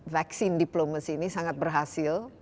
vaccine diplomacy ini sangat berhasil